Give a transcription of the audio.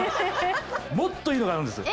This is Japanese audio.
もっといいのがあるんです。